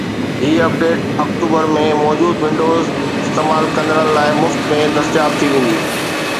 هي update October ۾ موجود Windows استعمال ڪندڙن لاءِ مفت ۾ دستياب ٿي ويندي